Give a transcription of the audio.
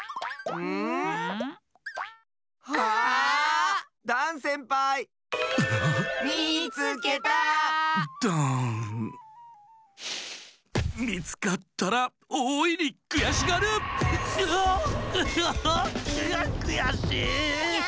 うわっくやしい。